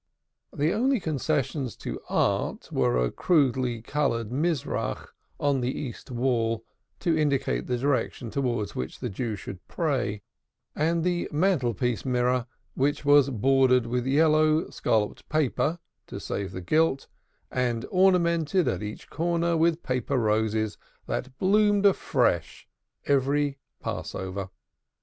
The only concessions to art were a crudely colored Mizrach on the east wall, to indicate the direction towards which the Jew should pray, and the mantelpiece mirror which was bordered with yellow scalloped paper (to save the gilt) and ornamented at each corner with paper roses that bloomed afresh every Passover.